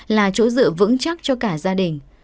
là chỗ dựa vững chắc cho cả gia đình